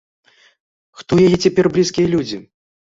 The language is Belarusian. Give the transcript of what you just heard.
Хто ў яе цяпер блізкія людзі?